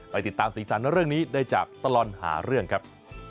ไปติดตามสีสันเรื่องนี้ได้จากตลอดหาเรื่องครับ